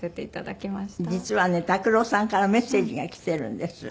実はね拓郎さんからメッセージがきてるんです。